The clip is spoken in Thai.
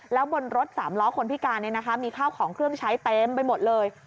แล้วบนรถสามล้อคนพิการมีข้าวของเครื่องใช้เต็มไปหมดเลย